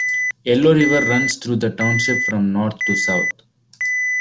Yellow River runs through the Township from North to South.